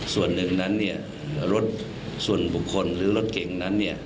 ส่วนหนึ่งนั้นรถส่วนบุคคลหรือรถเก่งนั้น